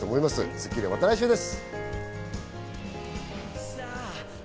『スッキリ』は、また来週です。